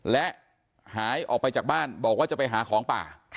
และหายออกไปจากบ้านบอกว่าจะไปหาของป่า